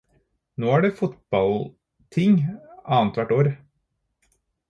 Nå er det fotballting annethvert år.